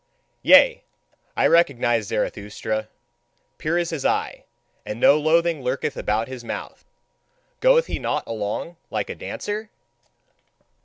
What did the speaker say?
Yea, I recognise Zarathustra. Pure is his eye, and no loathing lurketh about his mouth. Goeth he not along like a dancer?